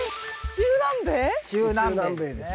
中南米です